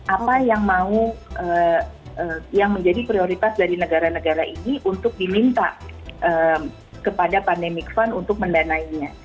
apa yang mau yang menjadi prioritas dari negara negara ini untuk diminta kepada pandemic fund untuk mendanainya